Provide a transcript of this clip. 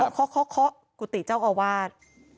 เคาะกุฏิเจ้าอาวาส